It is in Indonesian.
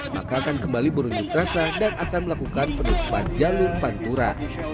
maka akan kembali berunjuk rasa dan akan melakukan penutupan jalur pantura